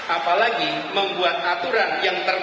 apalagi membuat aturan yang terkait